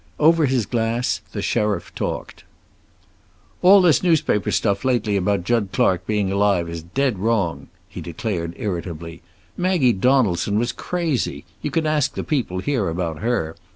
Over his glass the sheriff talked. "All this newspaper stuff lately about Jud Clark being alive is dead wrong," he declared, irritably. "Maggie Donaldson was crazy. You can ask the people here about her.